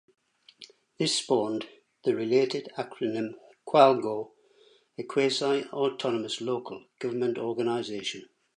This spawned the related acronym "qualgo", a 'quasi-autonomous "local" government organisation'.